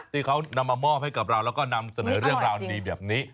ที่เขานำมามอบให้กับเราแล้วก็นำเสนอเรื่องราวดีแบบนี้